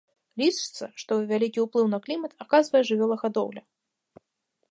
Лічыцца, што вялікі ўплыў на клімат аказвае жывёлагадоўля.